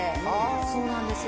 そうなんですよ。